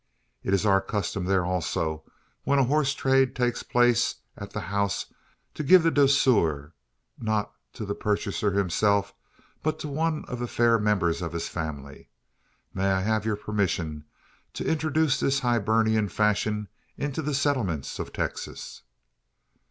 It is our custom there also, when a horse trade takes place at the house, to give the douceur, not to the purchaser himself, but to one of the fair members of his family. May I have your permission to introduce this Hibernian fashion into the settlements of Texas?"